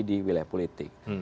di wilayah politik